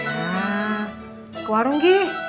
nah ke warung gi